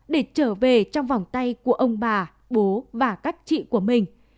để trở về trong vòng tay của ông bà bố và các chị của mình